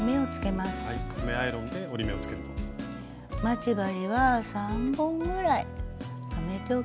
待ち針は３本ぐらい留めておきましょう。